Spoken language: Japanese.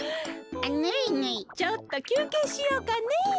ちょっときゅうけいしようかね。